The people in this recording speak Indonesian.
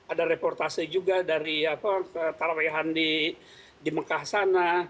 ada reportasi juga dari apa ke tarawihandi di mekah sana